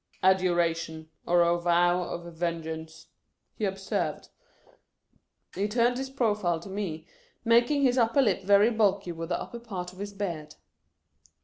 " Adoration, or a vow of vengeance," he ob served. He turned his profile to me, making his upper lip very bulgy with the upper part of his beard.